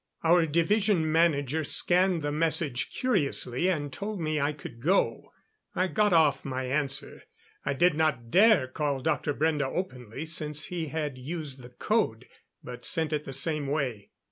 Our Division Manager scanned the message curiously and told me I could go. I got off my answer. I did not dare call Dr. Brende openly, since he had used the code, but sent it the same way.